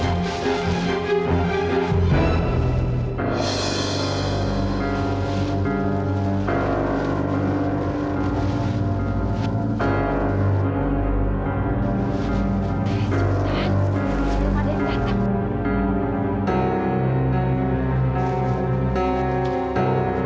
yang sepupu banget